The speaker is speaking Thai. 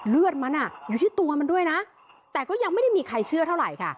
เลือดมันอยู่ที่ตัวมันด้วยนะแต่ก็ยังไม่ได้มีใครเชื่อเท่าไหร่ค่ะ